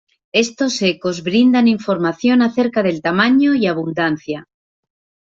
Estos ecos brindan información acerca del tamaño y abundancia.